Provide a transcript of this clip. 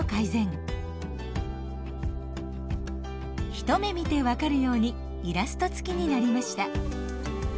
一目見て分かるようにイラストつきになりました。